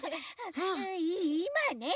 いいまね